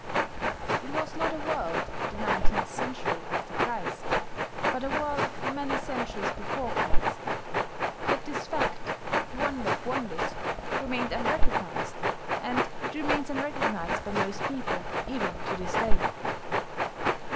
It was not a world of the nineteenth century after Christ, but a world of many centuries before Christ: yet this fact the wonder of wonders remained unrecognized; and it remains unrecognized by most people even to this day.